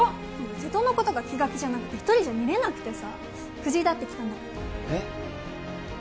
瀬戸のことが気が気じゃなくて一人じゃ見れなくてさ藤井だって来たんだからえっ？